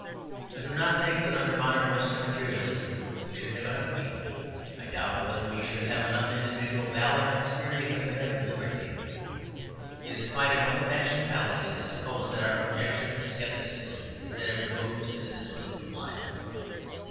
I do not think that under modern Western materialism we should have anarchy. I doubt whether we should have enough individual valour and spirit even to have liberty. It is quite an old fashioned fallacy to suppose that our objection to scepticism is that it removes the discipline from life.